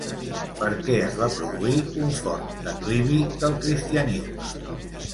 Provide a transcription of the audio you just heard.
Per què es va produir un fort declivi del cristianisme?